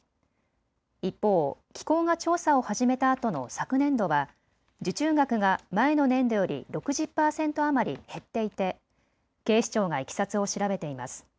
一方、機構が調査を始めたあとの昨年度は受注額が前の年度より６０％余り減っていて警視庁がいきさつを調べています。